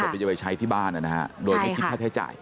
ลงศพที่จะไปใช้ที่บ้านอะนะคะโดยไม่คิดค่าใช้จ่าย